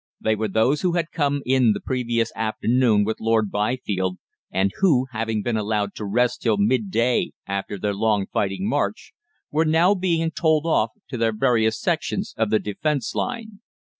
They were those who had come in the previous afternoon with Lord Byfield, and who, having been allowed to rest till midday after their long fighting march, were now being told off to their various sections of the defence line.